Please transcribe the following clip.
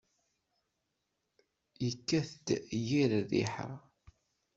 Yekkat-d yir rriḥa.